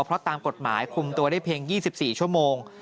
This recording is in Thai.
เพราะตามกฎหมายคุมตัวได้เพียง๒๔ชั่วโมง